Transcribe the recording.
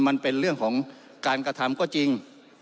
มันเป็นเรื่องของการกระทำก็จริง